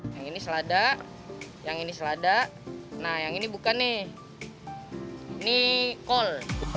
yang ini selada yang ini selada nah yang ini bukan nih ini kol